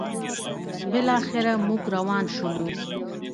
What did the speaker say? بالاخره موږ روان شولو: